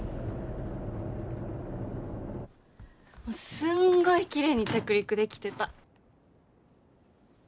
すんごいきれいに着陸できてた。